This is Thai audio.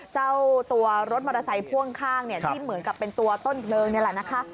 เจ้าตัวรถมอเตอร์ไซค์พ่วงข้างที่เหมือนกับเป็นตัวต้นเพลิงนี่แหละนะคะ